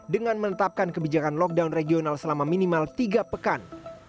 dengan menetapkan kebijakan lockdown regional selama minimal tiga pekan